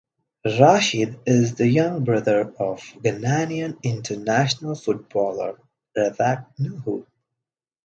Rashid is the young brother of Ghanaian international footballer Razak Nuhu.